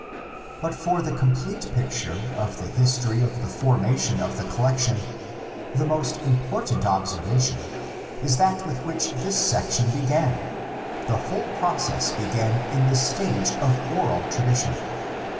But for the complete picture of the history of the formation of the collection the most important obser vation is that with which this section began: the whole process began in the stage of oral tradition.